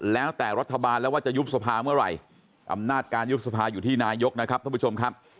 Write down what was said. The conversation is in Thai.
แล้วแต่รัฐบาลแล้วว่าจะยุบสภาเมื่อไหร่อำนาจการยุบสภาอยู่ที่นายกนะครับท่านผู้ชมครับ